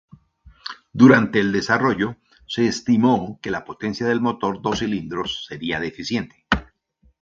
Durante el desarrollo se estimó que la potencia del motor dos cilindros sería deficiente.